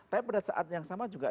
tapi pada saat yang sama juga